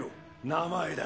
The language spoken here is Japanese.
名前だ